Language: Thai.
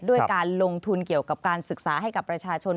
ด้วยการลงทุนเกี่ยวกับการศึกษาให้กับประชาชน